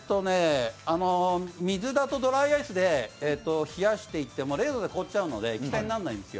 水だとドライアイスで冷やしていっても０度で凍っちゃうので液体にならないんですよ。